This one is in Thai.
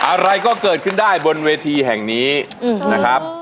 อะไรก็เกิดขึ้นได้บนเวทีแห่งนี้นะครับ